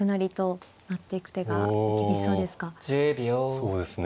そうですね。